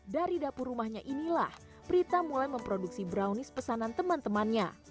dari dapur rumahnya inilah prita mulai memproduksi brownies pesanan teman temannya